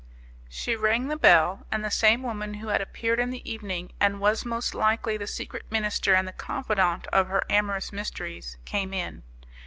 She rang the bell, and the same woman who had appeared in the evening, and was most likely the secret minister and the confidante of her amorous mysteries, came in.